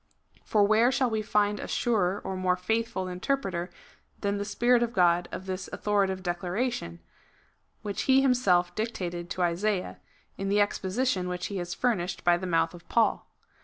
For where shall we find a surer or more faithful interpreter than the Spirit of God of this authoritative declaration, which He himself dictated to Isaiah — in the exposition which He has furnished by the mouth of Paul.